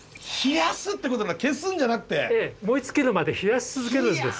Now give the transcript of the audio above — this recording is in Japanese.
燃え尽きるまで冷やし続けるんです。